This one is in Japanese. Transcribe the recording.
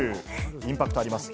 インパクトあります。